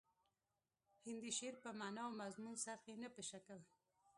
هندي شعر په معنا او مضمون څرخي نه په شکل